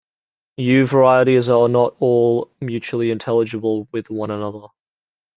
Yue varieties are not at all mutually intelligible with one another.